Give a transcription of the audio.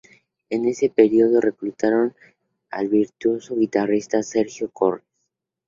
En ese periodo reclutaron al virtuoso guitarrista Sergio Corres.